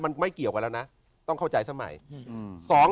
มันไม่เกี่ยวกันแล้วนะต้องเข้าใจสมัย